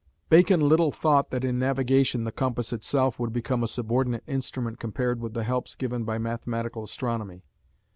Bacon little thought that in navigation the compass itself would become a subordinate instrument compared with the helps given by mathematical astronomy.